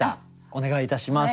お願いいたします。